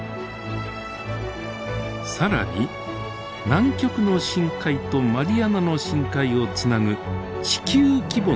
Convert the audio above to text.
更に南極の深海とマリアナの深海をつなぐ地球規模の流れがあります。